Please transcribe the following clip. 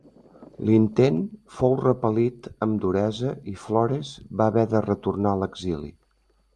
L'intent fou repel·lit amb duresa i Flores va haver de retornar a l'exili.